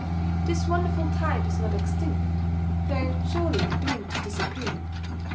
This wonderful type is not extinct though surely doomed to disappear.